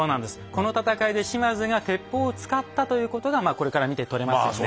この戦いで島津が鉄砲を使ったということがこれから見て取れますよね。